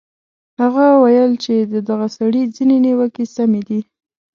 هغه ویل چې د دغه سړي ځینې نیوکې سمې دي.